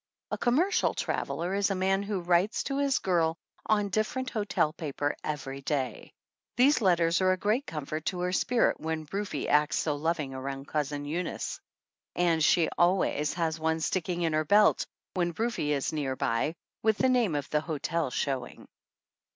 A "commercial traveler" is a man who writes to his girl on dif ferent hotel paper every day. These letters are a great comfort to her spirit when Rufe acts so loving around Cousin Eunice ; and she always 13 THE ANNALS OF ANN has one sticking in her belt when Rufe is near by, with the name of the hotel showing.